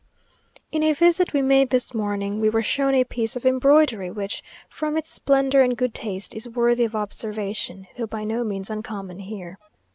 In a visit we made this morning, we were shown a piece of embroidery, which, from its splendour and good taste, is worthy of observation, though by no means uncommon here.